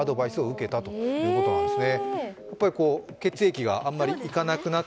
抜けたということなんですね。